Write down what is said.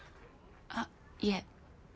あっいえ。